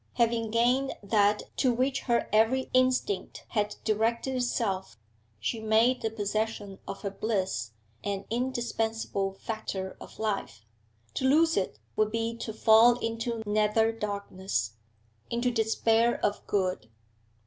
Having gained that to which her every instinct had directed itself, she made the possession of her bliss an indispensable factor of life; to lose it would be to fall into nether darkness, into despair of good.